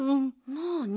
なあに？